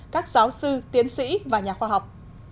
các giáo sư tiến sĩ và nhà khoa học